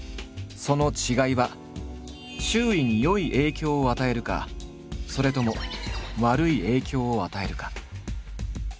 その違いは周囲に良い影響を与えるかそれとも悪い影響を与えるか。